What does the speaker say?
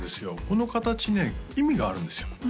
この形ね意味があるんですよ